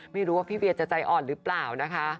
ไม่รู้ว่าพี่เวียจะใจอ่อนหรือเปล่านะคะ